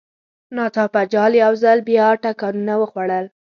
ناڅاپه جال یو ځل بیا ټکانونه وخوړل.